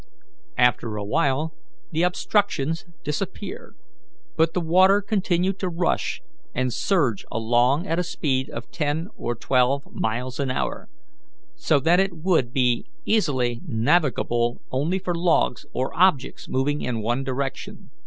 After a while the obstructions disappeared, but the water continued to rush and surge along at a speed of ten or twelve miles an hour, so that it would be easily navigable only for logs or objects moving in one direction.